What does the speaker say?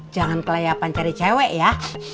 jangan kelayapan cari cewek ya